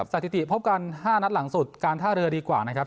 สถิติพบกัน๕นัดหลังสุดการท่าเรือดีกว่านะครับ